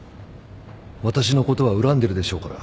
私のことは恨んでるでしょうから。